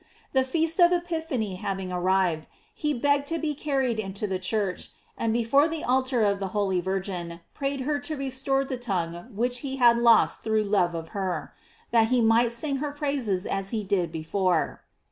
The feast of Epiphany having arrived, he begged to be carried into the church, and before the altar of the holy Virgin prayed her to restore the tongue which he bad lost through love of her, that he might sing her praises as he did before.